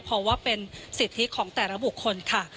เพราะว่าเป็นสิทธิของแต่ละบุคคลค่ะ